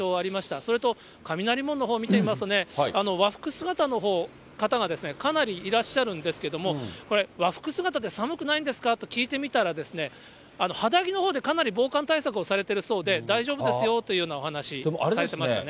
それと、雷門のほう見てみますと、和服姿の方がかなりいらっしゃるんですけれども、これ、和服姿で寒くないんですかと聞いてみたら、肌着のほうでかなり防寒対策をされてるそうで、大丈夫ですよというようなお話されてましたね。